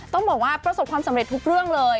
ต้องบอกว่าประสบความสำเร็จทุกเรื่องเลย